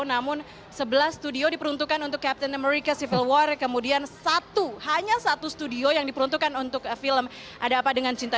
namun sebelas studio diperuntukkan untuk captain america civil war kemudian satu hanya satu studio yang diperuntukkan untuk film ada apa dengan cinta